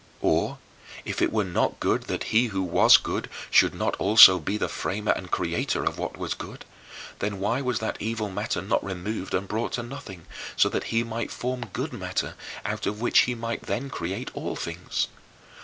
Or, if it were not good that he who was good should not also be the framer and creator of what was good, then why was that evil matter not removed and brought to nothing, so that he might form good matter, out of which he might then create all things?